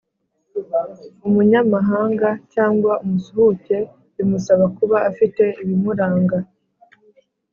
Umunyamahanga cyangwa umusuhuke bimusaba kuba afite ibimuranga